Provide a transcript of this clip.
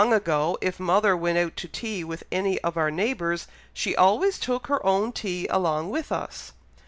Long ago, if mother went out to tea with any of our neighbours, she always took her own tea along with us."